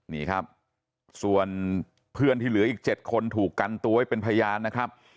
นี่ครับส่วนเพื่อนที่เหลืออีก๗คนถูกกันตัวไว้เป็นพยานนะครับ